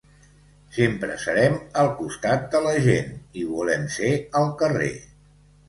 Sempre serem al costat de la gent i volem ser al carrer.